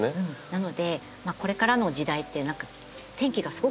なのでこれからの時代って何か天気がすごく極端だと思うんですよ。